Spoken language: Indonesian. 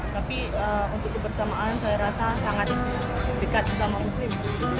tapi untuk kebersamaan saya rasa sangat dekat sama muslim